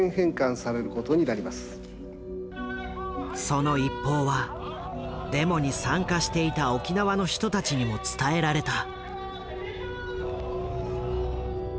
その一報はデモに参加していた沖縄の人たちにも伝えられた。